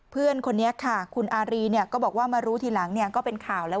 เพื่อนคนนี้ค่ะคุณอารีก็บอกว่ามารู้ทีหลังก็เป็นข่าวแล้ว